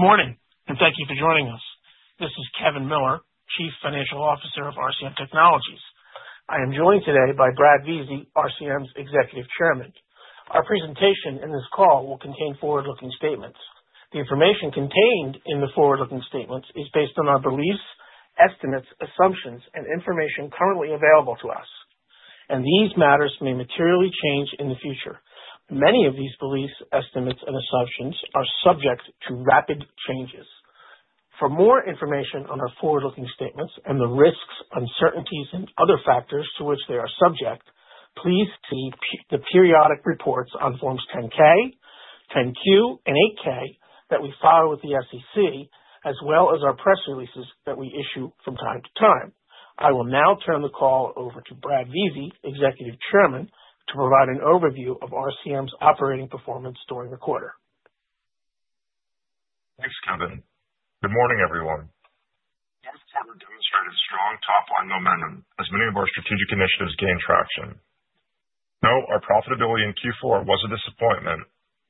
Good morning, and thank you for joining us. This is Kevin Miller, Chief Financial Officer of RCM Technologies. I am joined today by Brad Vizi, RCM's Executive Chairman. Our presentation and this call will contain forward-looking statements. The information contained in the forward-looking statements is based on our beliefs, estimates, assumptions, and information currently available to us, and these matters may materially change in the future. Many of these beliefs, estimates, and assumptions are subject to rapid changes. For more information on our forward-looking statements and the risks, uncertainties, and other factors to which they are subject, please see the periodic reports on Forms 10-K, 10-Q, and 8-K that we file with the SEC, as well as our press releases that we issue from time to time. I will now turn the call over to Brad Vizi, Executive Chairman, to provide an overview of RCM's operating performance during the quarter. Thanks, Kevin. Good morning, everyone. Yes, Kevin demonstrated strong top-line momentum as many of our strategic initiatives gained traction. No, our profitability in Q4 was a disappointment.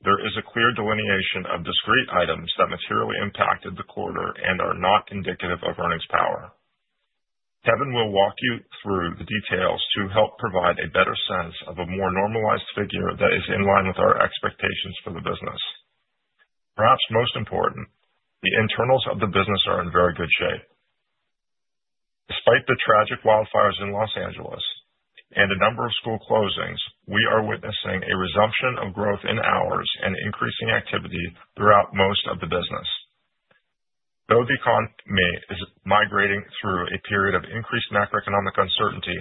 There is a clear delineation of discrete items that materially impacted the quarter and are not indicative of earnings power. Kevin will walk you through the details to help provide a better sense of a more normalized figure that is in line with our expectations for the business. Perhaps most important, the internals of the business are in very good shape. Despite the tragic wildfires in Los Angeles and a number of school closings, we are witnessing a resumption of growth in hours and increasing activity throughout most of the business. Though the economy is migrating through a period of increased macroeconomic uncertainty,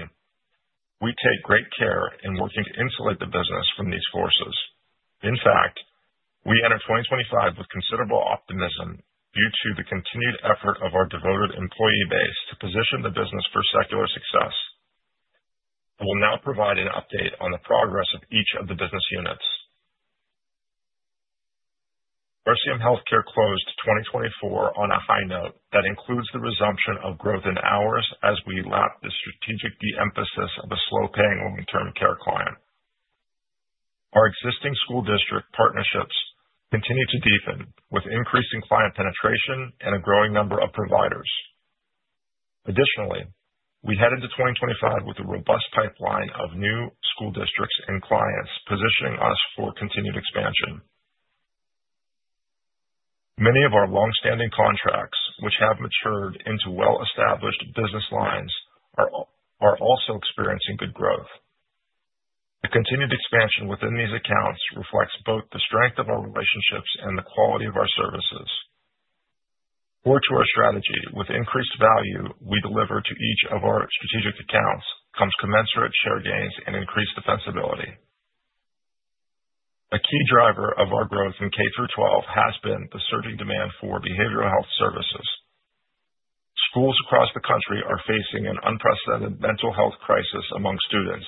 we take great care in working to insulate the business from these forces. In fact, we enter 2025 with considerable optimism due to the continued effort of our devoted employee base to position the business for secular success. I will now provide an update on the progress of each of the business units. RCM Healthcare closed 2024 on a high note that includes the resumption of growth in hours as we lapped the strategic de-emphasis of a slow-paying long-term care client. Our existing school district partnerships continue to deepen with increasing client penetration and a growing number of providers. Additionally, we head into 2025 with a robust pipeline of new school districts and clients positioning us for continued expansion. Many of our long-standing contracts, which have matured into well-established business lines, are also experiencing good growth. The continued expansion within these accounts reflects both the strength of our relationships and the quality of our services. Core to our strategy, with increased value we deliver to each of our strategic accounts, comes commensurate share gains and increased defensibility. A key driver of our growth in K through 12 has been the surging demand for behavioral health services. Schools across the country are facing an unprecedented mental health crisis among students,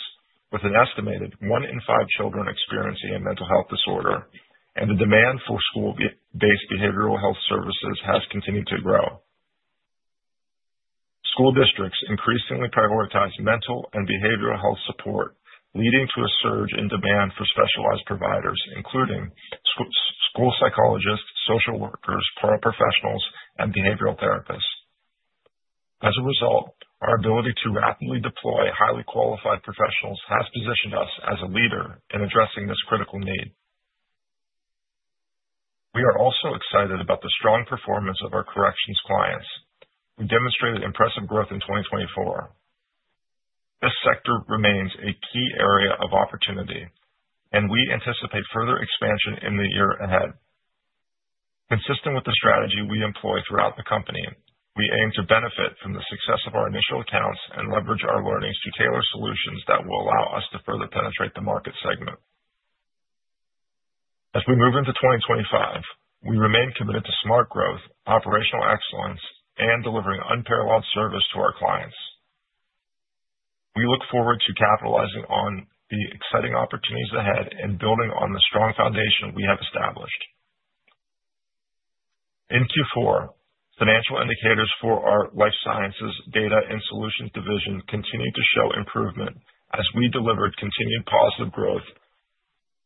with an estimated one in five children experiencing a mental health disorder, and the demand for school-based behavioral health services has continued to grow. School districts increasingly prioritize mental and behavioral health support, leading to a surge in demand for specialized providers, including school psychologists, social workers, paraprofessionals, and behavioral therapists. As a result, our ability to rapidly deploy highly qualified professionals has positioned us as a leader in addressing this critical need. We are also excited about the strong performance of our corrections clients. We demonstrated impressive growth in 2024. This sector remains a key area of opportunity, and we anticipate further expansion in the year ahead. Consistent with the strategy we employ throughout the company, we aim to benefit from the success of our initial accounts and leverage our learnings to tailor solutions that will allow us to further penetrate the market segment. As we move into 2025, we remain committed to smart growth, operational excellence, and delivering unparalleled service to our clients. We look forward to capitalizing on the exciting opportunities ahead and building on the strong foundation we have established. In Q4, financial indicators for our Life Sciences, Data and Solutions division continued to show improvement as we delivered continued positive growth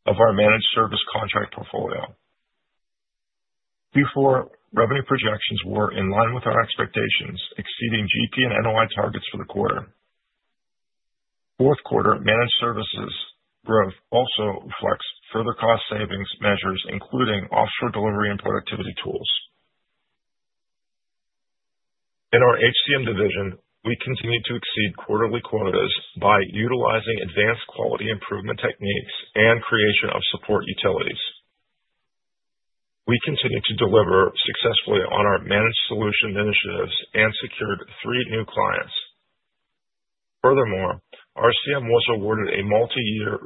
of our managed service contract portfolio. Q4 revenue projections were in line with our expectations, exceeding GP and NOI targets for the quarter. Fourth quarter managed services growth also reflects further cost savings measures, including offshore delivery and productivity tools. In our HCM division, we continue to exceed quarterly quotas by utilizing advanced quality improvement techniques and creation of support utilities. We continue to deliver successfully on our managed solution initiatives and secured three new clients. Furthermore, RCM was awarded a multi-year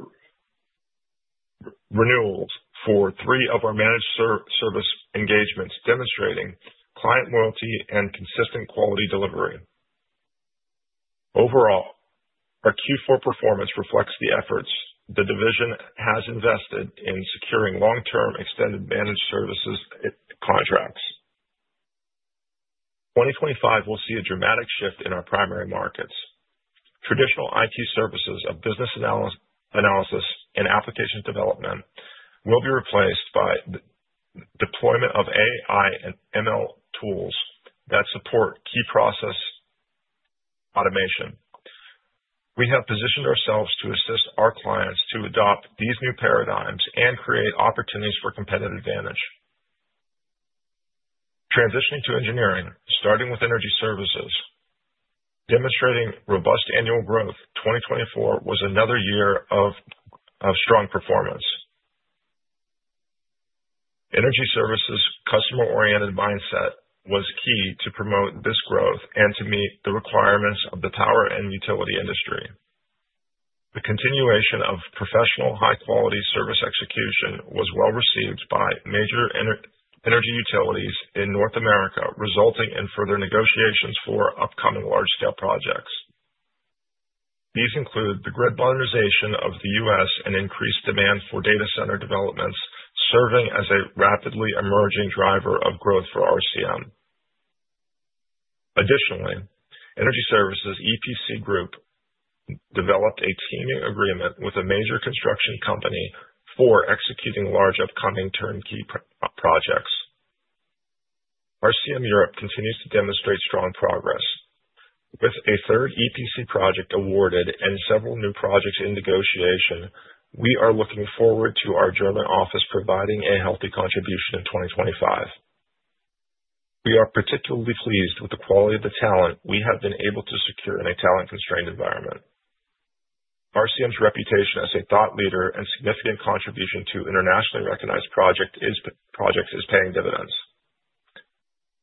renewal for three of our managed service engagements, demonstrating client loyalty and consistent quality delivery. Overall, our Q4 performance reflects the efforts the division has invested in securing long-term extended managed services contracts. 2025 will see a dramatic shift in our primary markets. Traditional IT services of business analysis and application development will be replaced by the deployment of AI and ML tools that support key process automation. We have positioned ourselves to assist our clients to adopt these new paradigms and create opportunities for competitive advantage. Transitioning to engineering, starting with energy services, demonstrating robust annual growth, 2024 was another year of strong performance. Energy Services' customer-oriented mindset was key to promote this growth and to meet the requirements of the power and utility industry. The continuation of professional, high-quality service execution was well received by major energy utilities in North America, resulting in further negotiations for upcoming large-scale projects. These include the grid modernization of the U.S. and increased demand for data center developments, serving as a rapidly emerging driver of growth for RCM. Additionally, Energy Services' EPC Group developed a teaming agreement with a major construction company for executing large upcoming turnkey projects. RCM Europe continues to demonstrate strong progress. With a third EPC project awarded and several new projects in negotiation, we are looking forward to our German office providing a healthy contribution in 2025. We are particularly pleased with the quality of the talent we have been able to secure in a talent-constrained environment. RCM's reputation as a thought leader and significant contribution to internationally recognized projects is paying dividends.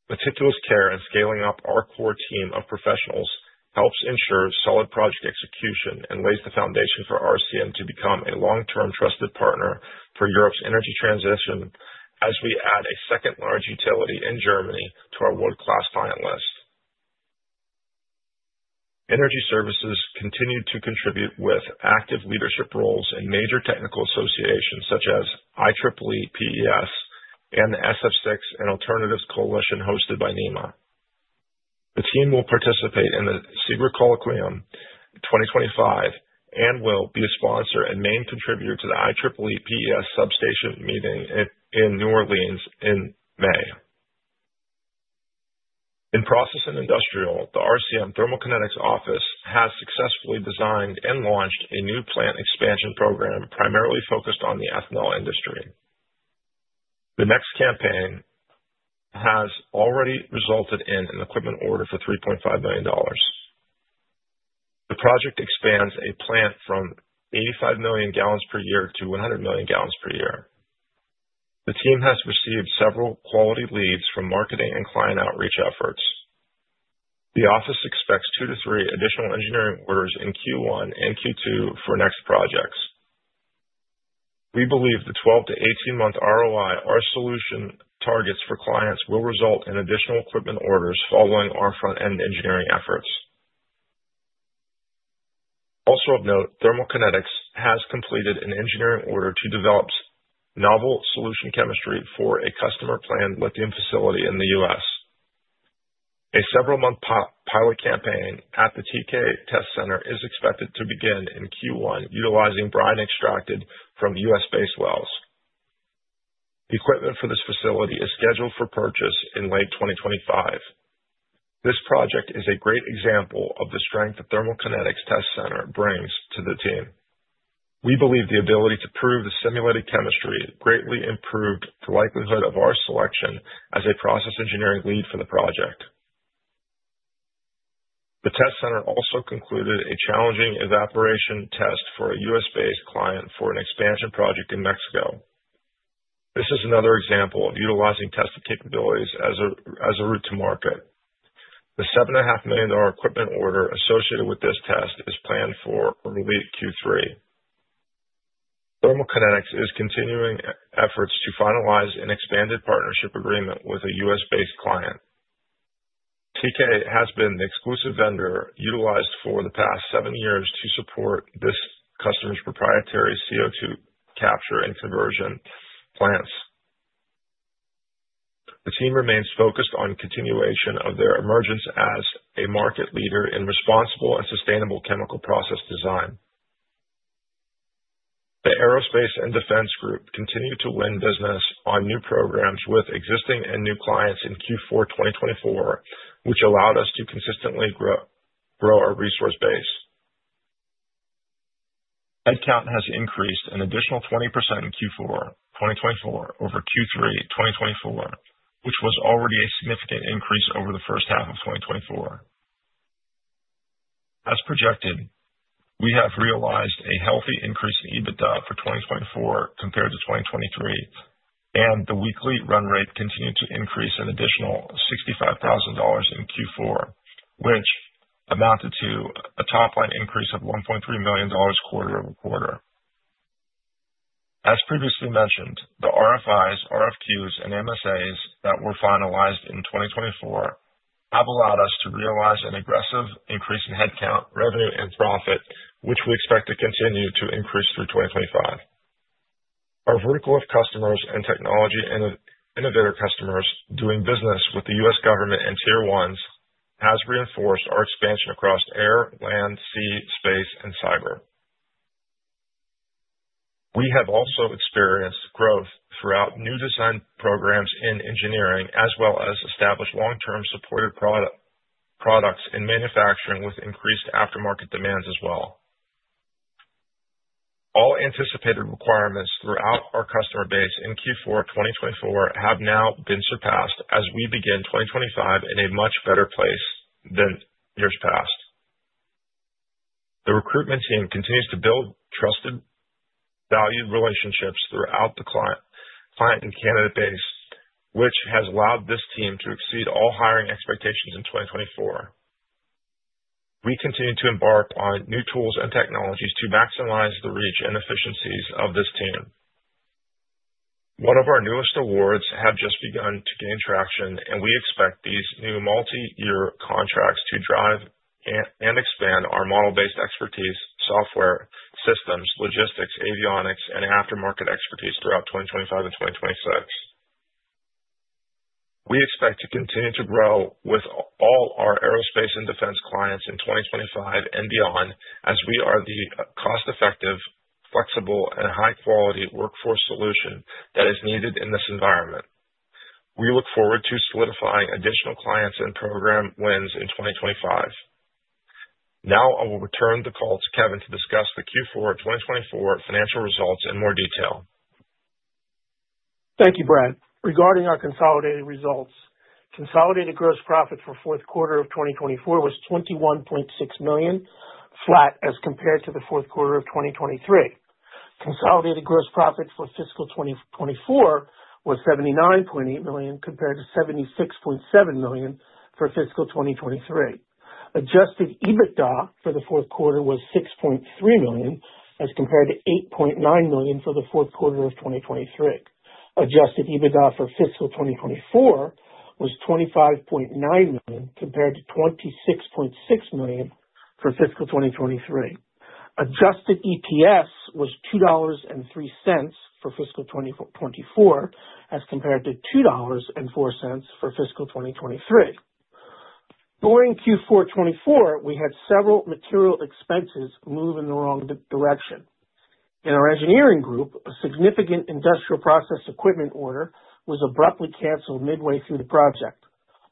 Meticulous care and scaling up our core team of professionals helps ensure solid project execution and lays the foundation for RCM to become a long-term trusted partner for Europe's energy transition as we add a second large utility in Germany to our world-class client list. Energy Services continued to contribute with active leadership roles in major technical associations such as IEEE PES and the SF6 and Alternatives Coalition hosted by NEMA. The team will participate in the CIGRA Colloquium 2025 and will be a sponsor and main contributor to the IEEE PES substation meeting in New Orleans in May. In process and industrial, the RCM Thermal Kinetics office has successfully designed and launched a new plant expansion program primarily focused on the ethanol industry. The next campaign has already resulted in an equipment order for $3.5 million. The project expands a plant from 85 million gallons per year to 100 million gallons per year. The team has received several quality leads from marketing and client outreach efforts. The office expects two to three additional engineering orders in Q1 and Q2 for next projects. We believe the 12-18 month ROI our solution targets for clients will result in additional equipment orders following our front-end engineering efforts. Also of note, Thermal Kinetics has completed an engineering order to develop novel solution chemistry for a customer-planned lithium facility in the U.S. A several-month pilot campaign at the TK Test Center is expected to begin in Q1 utilizing brine extracted from U.S.-based wells. The equipment for this facility is scheduled for purchase in late 2025. This project is a great example of the strength the Thermal Kinetics Test Center brings to the team. We believe the ability to prove the simulated chemistry greatly improved the likelihood of our selection as a process engineering lead for the project. The Test Center also concluded a challenging evaporation test for a U.S.-based client for an expansion project in Mexico. This is another example of utilizing tested capabilities as a route to market. The $7.5 million equipment order associated with this test is planned for early Q3. Thermal Kinetics is continuing efforts to finalize an expanded partnership agreement with a U.S.-based client. TK has been the exclusive vendor utilized for the past seven years to support this customer's proprietary CO2 capture and conversion plants. The team remains focused on continuation of their emergence as a market leader in responsible and sustainable chemical process design. The Aerospace and Defense Group continued to win business on new programs with existing and new clients in Q4 2024, which allowed us to consistently grow our resource base. Headcount has increased an additional 20% in Q4 2024 over Q3 2024, which was already a significant increase over the first half of 2024. As projected, we have realized a healthy increase in EBITDA for 2024 compared to 2023, and the weekly run rate continued to increase an additional $65,000 in Q4, which amounted to a top-line increase of $1.3 million quarter over quarter. As previously mentioned, the RFIs, RFQs, and MSAs that were finalized in 2024 have allowed us to realize an aggressive increase in headcount, revenue, and profit, which we expect to continue to increase through 2025. Our vertical of customers and technology innovator customers doing business with the U.S. government and tier ones has reinforced our expansion across air, land, sea, space, and cyber. We have also experienced growth throughout new design programs in engineering, as well as established long-term supported products in manufacturing with increased aftermarket demands as well. All anticipated requirements throughout our customer base in Q4 2024 have now been surpassed as we begin 2025 in a much better place than years past. The recruitment team continues to build trusted, valued relationships throughout the client and candidate base, which has allowed this team to exceed all hiring expectations in 2024. We continue to embark on new tools and technologies to maximize the reach and efficiencies of this team. One of our newest awards has just begun to gain traction, and we expect these new multi-year contracts to drive and expand our model-based expertise, software systems, logistics, avionics, and aftermarket expertise throughout 2025 and 2026. We expect to continue to grow with all our aerospace and defense clients in 2025 and beyond as we are the cost-effective, flexible, and high-quality workforce solution that is needed in this environment. We look forward to solidifying additional clients and program wins in 2025. Now I will return the call to Kevin to discuss the Q4 2024 financial results in more detail. Thank you, Brad. Regarding our consolidated results, consolidated gross profit for fourth quarter of 2024 was $21.6 million, flat as compared to the fourth quarter of 2023. Consolidated gross profit for fiscal 2024 was $79.8 million compared to $76.7 million for fiscal 2023. Adjusted EBITDA for the fourth quarter was $6.3 million as compared to $8.9 million for the fourth quarter of 2023. Adjusted EBITDA for fiscal 2024 was $25.9 million compared to $26.6 million for fiscal 2023. Adjusted EPS was $2.03 for fiscal 2024 as compared to $2.04 for fiscal 2023. During Q4 2024, we had several material expenses move in the wrong direction. In our engineering group, a significant industrial process equipment order was abruptly canceled midway through the project.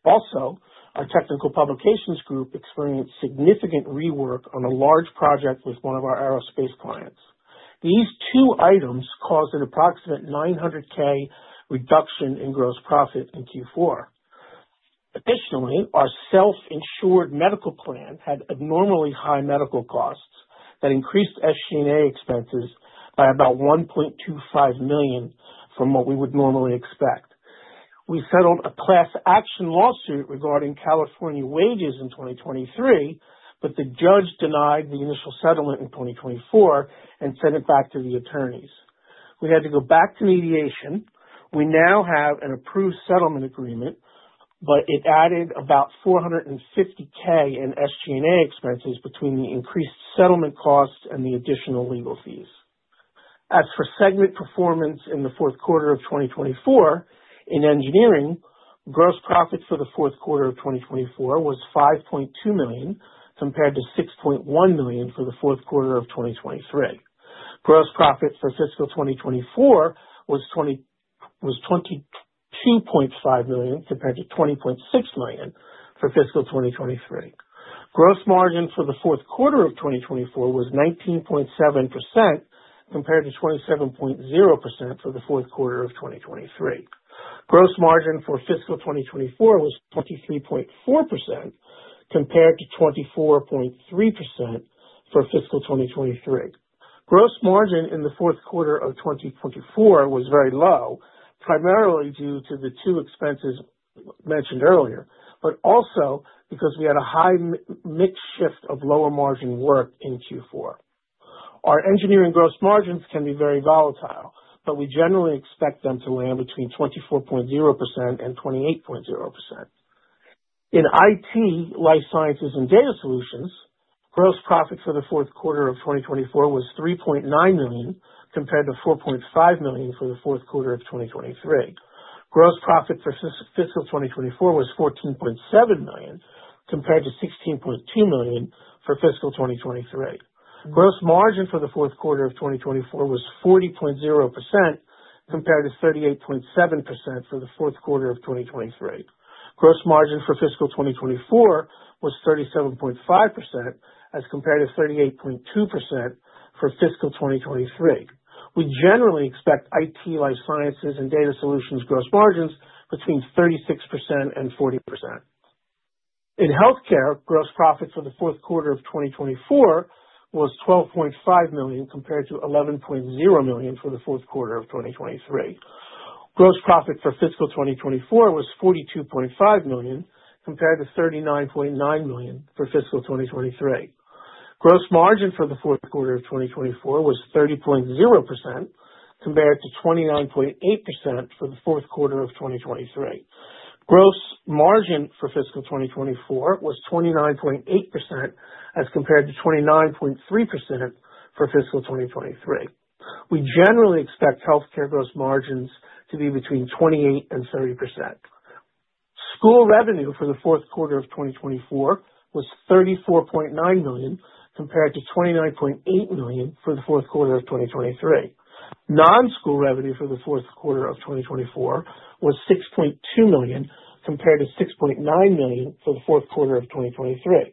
Also, our technical publications group experienced significant rework on a large project with one of our aerospace clients. These two items caused an approximate $900,000 reduction in gross profit in Q4. Additionally, our self-insured medical plan had abnormally high medical costs that increased FC&A expenses by about $1.25 million from what we would normally expect. We settled a class action lawsuit regarding California wages in 2023, but the judge denied the initial settlement in 2024 and sent it back to the attorneys. We had to go back to mediation. We now have an approved settlement agreement, but it added about $450,000 in FC&A expenses between the increased settlement costs and the additional legal fees. As for segment performance in the fourth quarter of 2024, in engineering, gross profit for the fourth quarter of 2024 was $5.2 million compared to $6.1 million for the fourth quarter of 2023. Gross profit for fiscal 2024 was $22.5 million compared to $20.6 million for fiscal 2023. Gross margin for the fourth quarter of 2024 was 19.7% compared to 27.0% for the fourth quarter of 2023. Gross margin for fiscal 2024 was 23.4% compared to 24.3% for fiscal 2023. Gross margin in the fourth quarter of 2024 was very low, primarily due to the two expenses mentioned earlier, but also because we had a high mix shift of lower margin work in Q4. Our engineering gross margins can be very volatile, but we generally expect them to land between 24.0% and 28.0%. In IT, life sciences, and data solutions, gross profit for the fourth quarter of 2024 was $3.9 million compared to $4.5 million for the fourth quarter of 2023. Gross profit for fiscal 2024 was $14.7 million compared to $16.2 million for fiscal 2023. Gross margin for the fourth quarter of 2024 was 40.0% compared to 38.7% for the fourth quarter of 2023. Gross margin for fiscal 2024 was 37.5% as compared to 38.2% for fiscal 2023. We generally expect IT, life sciences, and data solutions gross margins between 36% and 40%. In healthcare, gross profit for the fourth quarter of 2024 was $12.5 million compared to $11.0 million for the fourth quarter of 2023. Gross profit for fiscal 2024 was $42.5 million compared to $39.9 million for fiscal 2023. Gross margin for the fourth quarter of 2024 was 30.0% compared to 29.8% for the fourth quarter of 2023. Gross margin for fiscal 2024 was 29.8% as compared to 29.3% for fiscal 2023. We generally expect healthcare gross margins to be between 28% and 30%. School revenue for the fourth quarter of 2024 was $34.9 million compared to $29.8 million for the fourth quarter of 2023. Non-school revenue for the fourth quarter of 2024 was $6.2 million compared to $6.9 million for the fourth quarter of 2023.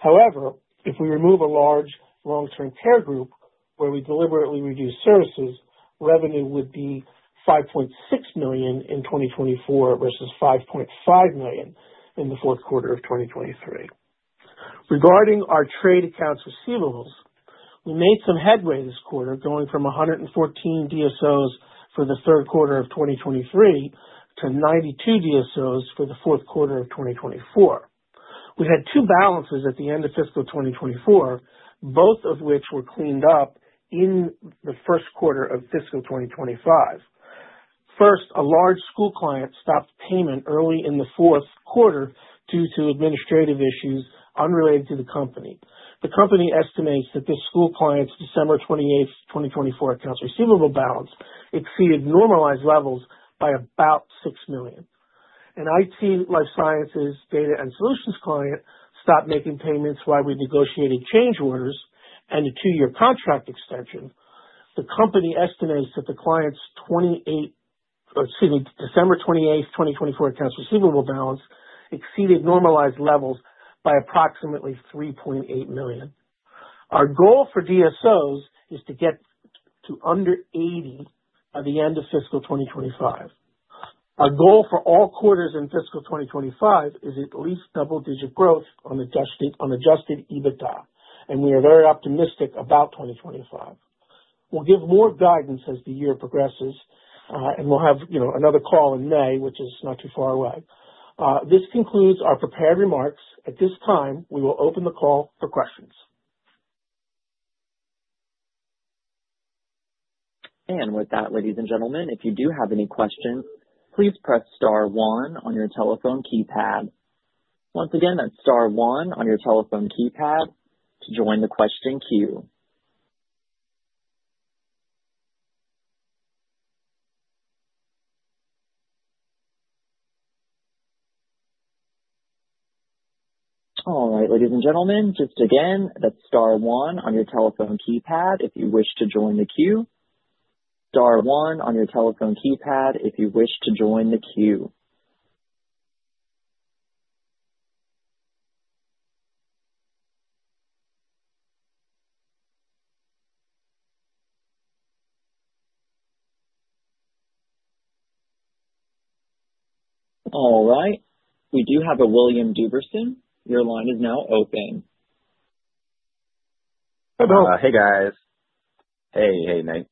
However, if we remove a large long-term care group where we deliberately reduce services, revenue would be $5.6 million in 2024 versus $5.5 million in the fourth quarter of 2023. Regarding our trade accounts receivable, we made some headway this quarter going from 114 DSOs for the third quarter of 2023 to 92 DSOs for the fourth quarter of 2024. We had two balances at the end of fiscal 2024, both of which were cleaned up in the first quarter of fiscal 2025. First, a large school client stopped payment early in the fourth quarter due to administrative issues unrelated to the company. The company estimates that this school client's December 28, 2024 accounts receivable balance exceeded normalized levels by about $6 million. An IT, life sciences, data, and solutions client stopped making payments while we negotiated change orders and a two-year contract extension. The company estimates that the client's December 28, 2024 accounts receivable balance exceeded normalized levels by approximately $3.8 million. Our goal for DSOs is to get to under $80 by the end of fiscal 2025. Our goal for all quarters in fiscal 2025 is at least double-digit growth on adjusted EBITDA, and we are very optimistic about 2025. We'll give more guidance as the year progresses, and we'll have another call in May, which is not too far away. This concludes our prepared remarks. At this time, we will open the call for questions. If you do have any questions, please press star one on your telephone keypad. Once again, that's star one on your telephone keypad to join the question queue. All right, ladies and gentlemen, just again, that's star one on your telephone keypad if you wish to join the queue. Star one on your telephone keypad if you wish to join the queue. All right. We do have a William Duberson. Your line is now open. Hello. Hey, guys. Hey, hey, nice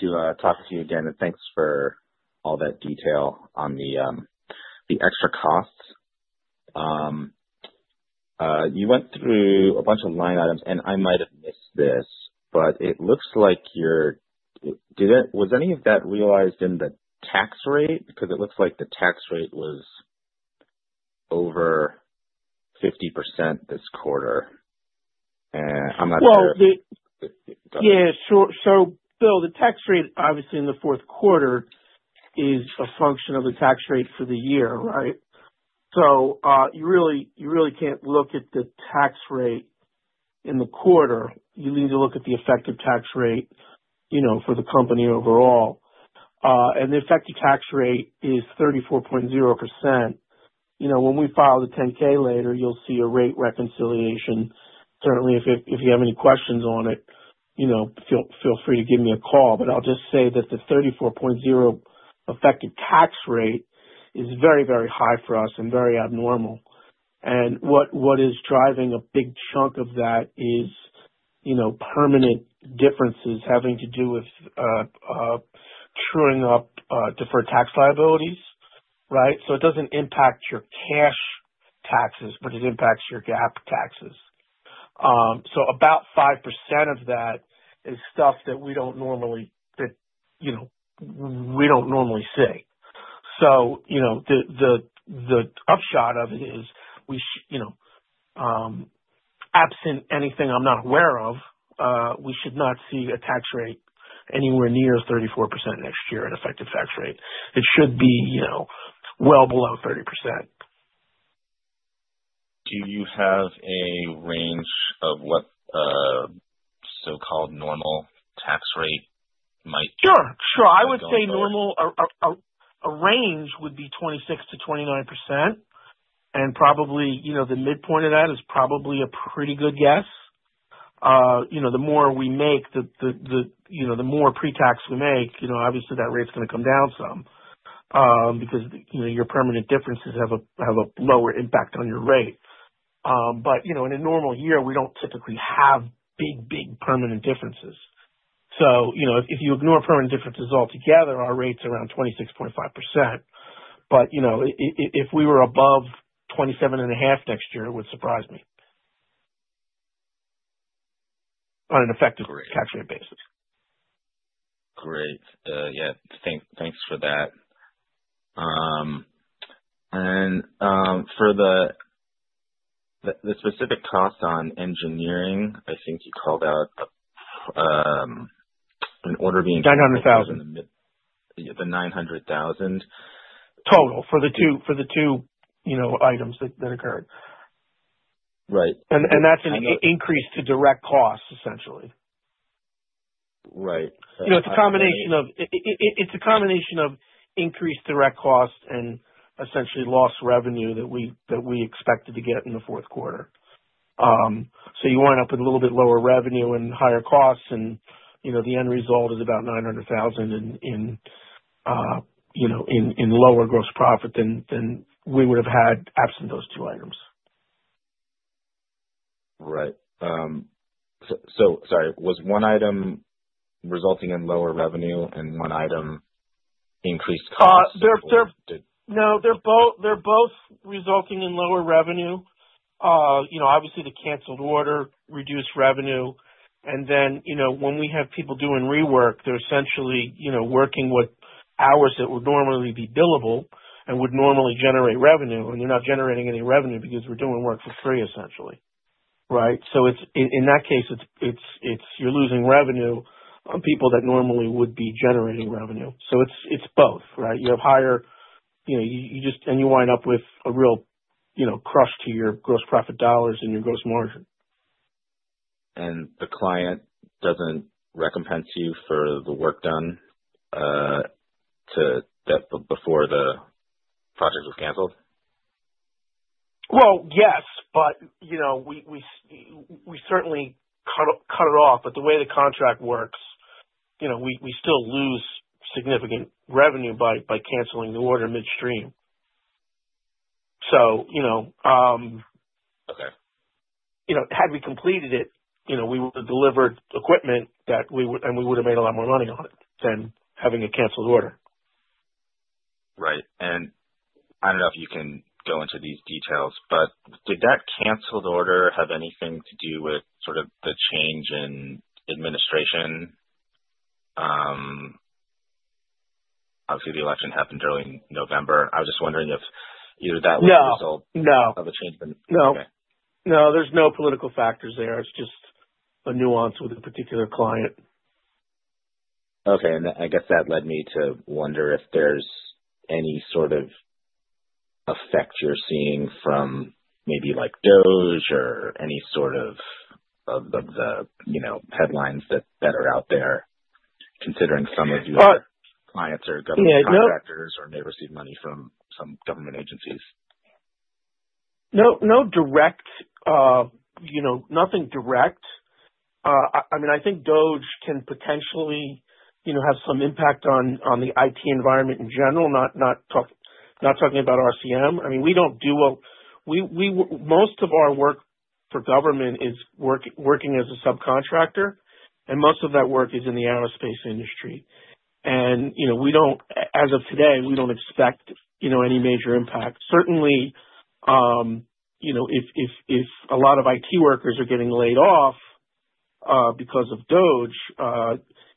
to talk to you again, and thanks for all that detail on the extra costs. You went through a bunch of line items, and I might have missed this, but it looks like your—was any of that realized in the tax rate? Because it looks like the tax rate was over 50% this quarter. I'm not sure. Yeah, Bill, the tax rate, obviously, in the fourth quarter is a function of the tax rate for the year, right? You really can't look at the tax rate in the quarter. You need to look at the effective tax rate for the company overall. The effective tax rate is 34.0%. When we file the 10-K later, you'll see a rate reconciliation. Certainly, if you have any questions on it, feel free to give me a call. I'll just say that the 34.0% effective tax rate is very, very high for us and very abnormal. What is driving a big chunk of that is permanent differences having to do with trueing up deferred tax liabilities, right? It does not impact your cash taxes, but it impacts your GAAP taxes. About 5% of that is stuff that we do not normally—we do not normally see. The upshot of it is, absent anything I'm not aware of, we should not see a tax rate anywhere near 34% next year, an effective tax rate. It should be well below 30%. Do you have a range of what so-called normal tax rate might be? Sure, sure. I would say normal—a range would be 26-29%, and probably the midpoint of that is probably a pretty good guess. The more we make, the more pre-tax we make, obviously, that rate's going to come down some because your permanent differences have a lower impact on your rate. In a normal year, we do not typically have big, big permanent differences. If you ignore permanent differences altogether, our rate's around 26.5%. If we were above 27.5% next year, it would surprise me on an effective tax rate basis. Great. Yeah. Thanks for that. For the specific costs on engineering, I think you called out an order being $900,000. The $900,000. Total for the two items that occurred. Right. That's an increase to direct costs, essentially. Right. It's a combination of increased direct costs and essentially lost revenue that we expected to get in the fourth quarter. You wind up with a little bit lower revenue and higher costs, and the end result is about $900,000 in lower gross profit than we would have had absent those two items. Right. Sorry, was one item resulting in lower revenue and one item increased costs? No, they are both resulting in lower revenue. Obviously, the canceled order reduced revenue. When we have people doing rework, they are essentially working with hours that would normally be billable and would normally generate revenue, and they are not generating any revenue because we are doing work for free, essentially. Right? In that case, you are losing revenue on people that normally would be generating revenue. It is both, right? You have higher—and you wind up with a real crush to your gross profit dollars and your gross margin. The client does not recompense you for the work done before the project was canceled? Yes, but we certainly cut it off. The way the contract works, we still lose significant revenue by canceling the order midstream. Had we completed it, we would have delivered equipment, and we would have made a lot more money on it than having a canceled order. Right. I do not know if you can go into these details, but did that canceled order have anything to do with sort of the change in administration? Obviously, the election happened early in November. I was just wondering if either that was a result of a change in administration. No. No, there are no political factors there. It is just a nuance with a particular client. Okay. I guess that led me to wonder if there's any sort of effect you're seeing from maybe like DOGE or any sort of the headlines that are out there, considering some of your clients are government contractors or may receive money from some government agencies. No direct—nothing direct. I mean, I think DOGE can potentially have some impact on the IT environment in general, not talking about RCM. I mean, we don't do—most of our work for government is working as a subcontractor, and most of that work is in the aerospace industry. As of today, we don't expect any major impact. Certainly, if a lot of IT workers are getting laid off because of DOGE,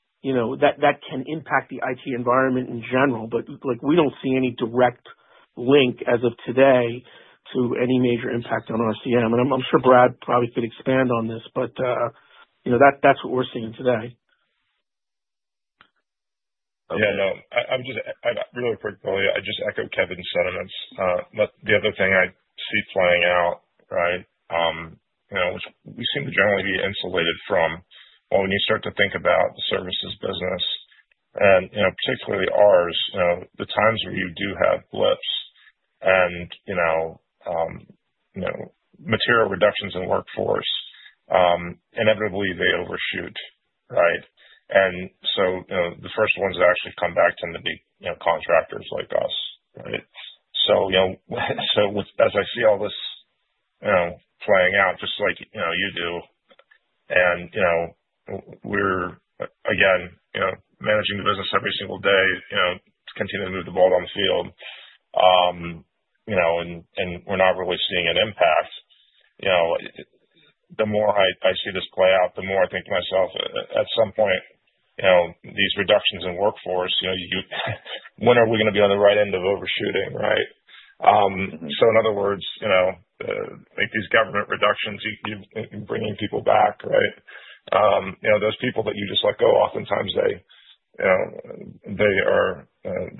that can impact the IT environment in general, but we don't see any direct link as of today to any major impact on RCM. I'm sure Brad probably could expand on this, but that's what we're seeing today. Yeah. No, I really agree with Billy. I just echo Kevin's sentiments. The other thing I see playing out, right, we seem to generally be insulated from, well, when you start to think about the services business, and particularly ours, the times where you do have blips and material reductions in workforce, inevitably, they overshoot, right? The first ones that actually come back tend to be contractors like us, right? As I see all this playing out, just like you do, and we're, again, managing the business every single day, continue to move the ball down the field, and we're not really seeing an impact, the more I see this play out, the more I think to myself, at some point, these reductions in workforce, when are we going to be on the right end of overshooting, right? In other words, these government reductions, you're bringing people back, right? Those people that you just let go, oftentimes, they're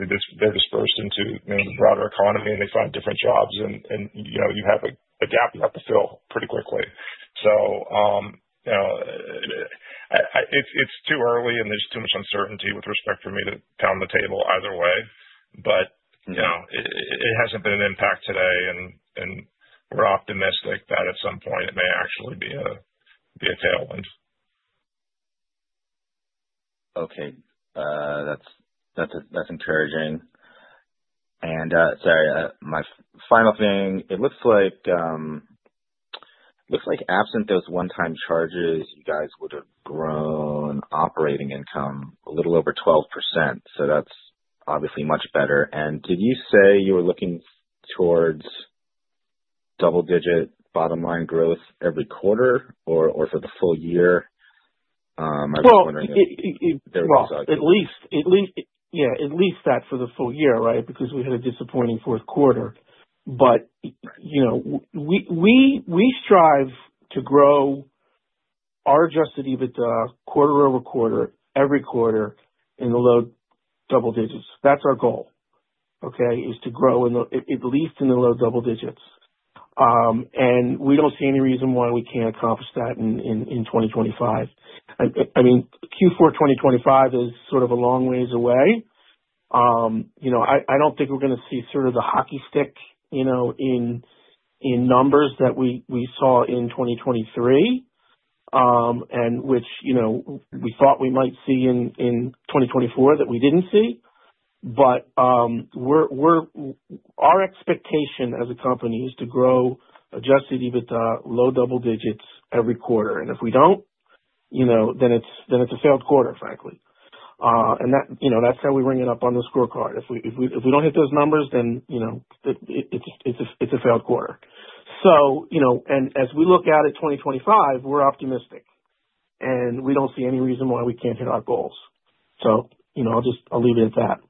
dispersed into the broader economy, and they find different jobs, and you have a gap you have to fill pretty quickly. It's too early, and there's too much uncertainty with respect for me to pound the table either way. It hasn't been an impact today, and we're optimistic that at some point, it may actually be a tailwind. Okay. That's encouraging. Sorry, my final thing, it looks like absent those one-time charges, you guys would have grown operating income a little over 12%. That's obviously much better. Did you say you were looking towards double-digit bottom-line growth every quarter or for the full year? I was wondering if there was— Yeah, at least that for the full year, right? Because we had a disappointing fourth quarter. We strive to grow our adjusted EBITDA quarter over quarter, every quarter, in the low double digits. That's our goal, okay, is to grow at least in the low double digits. We do not see any reason why we cannot accomplish that in 2025. I mean, Q4 2025 is sort of a long ways away. I don't think we're going to see sort of the hockey stick in numbers that we saw in 2023, and which we thought we might see in 2024 that we didn't see. Our expectation as a company is to grow adjusted EBITDA low double digits every quarter. If we don't, then it's a failed quarter, frankly. That's how we ring it up on the scorecard. If we don't hit those numbers, then it's a failed quarter. As we look at it 2025, we're optimistic, and we don't see any reason why we can't hit our goals. I'll leave it at that.